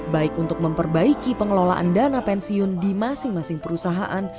baik untuk memperbaiki pengelolaan dana pensiun di masing masing perusahaan